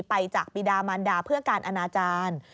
ไปจากปีดามันดาเพื่อการอนาจารย์